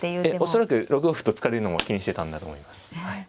恐らく６五歩と突かれるのも気にしてたんだと思います。